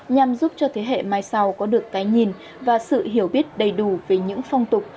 nhằm giúp cho thế hệ mai sau có được cái nhìn và sự hiểu biết đầy đủ về những phong tục